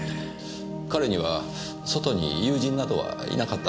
彼には外に友人などはいなかったんですか？